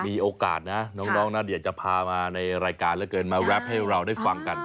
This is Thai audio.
มีโอกาสนะน้องนะเดี๋ยวจะพามาในรายการเหลือเกินมาแรปให้เราได้ฟังกัน